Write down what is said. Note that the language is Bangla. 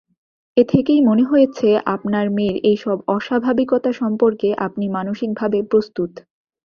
এ থেকেই মনে হয়েছে, আপনার মেয়ের এইসব অস্বাভাবিকতা সম্পর্কে আপনি মানসিকভাবে প্রস্তুত।